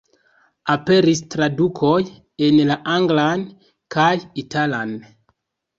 Aperis tradukoj en la anglan kaj italan.